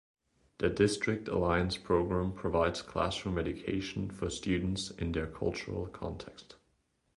The district Alliance program provides classroom education for students in their cultural context.